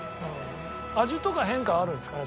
味とか変化はあるんですかね？